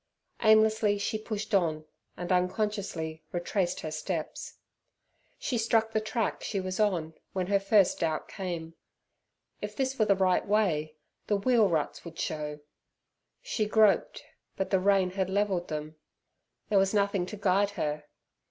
Aimlessly she pushed on, and unconsciously retraced her steps. She struck the track she was on when her first doubt came. If this were the right way, the wheel ruts would show. She groped, but the rain had levelled them. There was nothing to guide her.